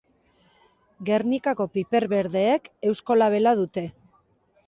Gernikako piper berdeek eusko labela dute.